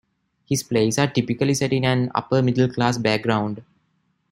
His plays are typically set in an upper-middle-class background.